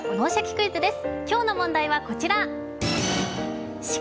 クイズ」です。